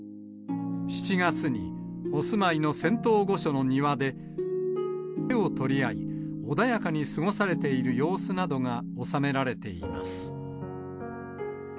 ７月にお住まいの仙洞御所の庭で手を取り合い、穏やかに過ごされている様子などが収められています。